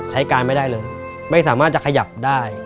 ใช้การไม่ได้เลยไม่สามารถจะขยับได้